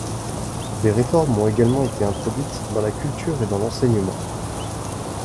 Des réformes ont également été introduites dans la culture et dans l’enseignement.